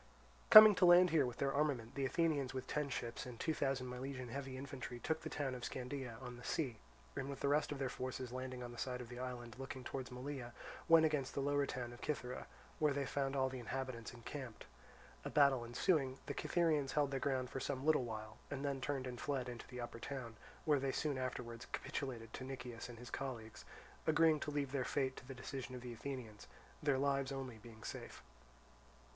Coming to land here with their armament, the Athenians with ten ships and two thousand Milesian heavy infantry took the town of Scandea, on the sea; and with the rest of their forces landing on the side of the island looking towards Malea, went against the lower town of Cythera, where they found all the inhabitants encamped. A battle ensuing, the Cytherians held their ground for some little while, and then turned and fled into the upper town, where they soon afterwards capitulated to Nicias and his colleagues, agreeing to leave their fate to the decision of the Athenians, their lives only being safe.